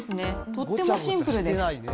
とってもシンプルです。